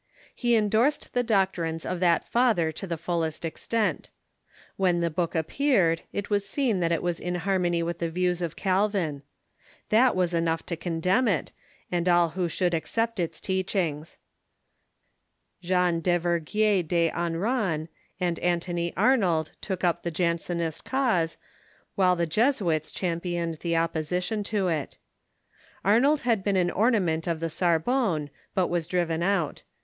He endorsed the doctrines of that father to the fullest extent. When the book appeared, it was seen that it was in harmony with the views of Calvin. That was enough to condemn it, and all who should accept its teachings. Jean Duvergnierde Hauranne and Antony Arnold took up the Jansenist cause, while the Jesuits championed the opposition to it. Arnold 22 338 THE MODERN CHURCH had been an ornament of the Sorbonne, but was driven out.